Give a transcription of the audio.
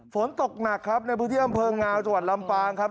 ฝนตกหนักครับในพื้นที่อำเภองาวจังหวัดลำปางครับ